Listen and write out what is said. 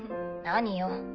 何よ？